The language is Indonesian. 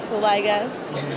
bagaimana dengan anda